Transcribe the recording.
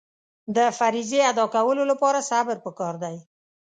د فریضې ادا کولو لپاره صبر پکار دی.